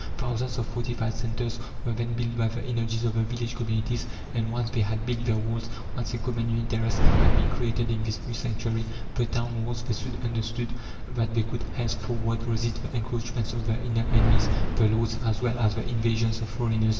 Thousands of fortified centres were then built by the energies of the village communities; and, once they had built their walls, once a common interest had been created in this new sanctuary the town walls they soon understood that they could henceforward resist the encroachments of the inner enemies, the lords, as well as the invasions of foreigners.